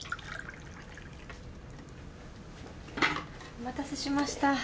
お待たせしました。